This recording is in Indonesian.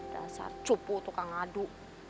dasar cupu tukang ngadu